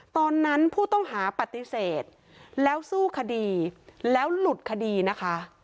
ตอนนั้นผู้ต้องหาปฏิเสธแล้วสู้คดีแล้วหลุดคดีนะคะ